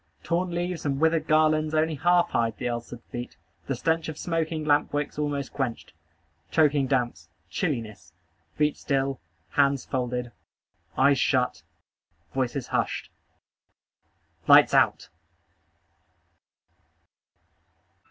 Torn leaves and withered garlands only half hide the ulcered feet. The stench of smoking lamp wicks almost quenched. Choking damps. Chilliness. Feet still. Hands folded. Eyes shut. Voices hushed. LIGHTS OUT!